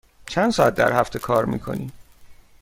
چند ساعت در هفته کار می کنی؟